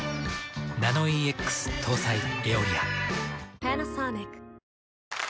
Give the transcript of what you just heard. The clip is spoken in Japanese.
ナノイーＸ搭載「エオリア」。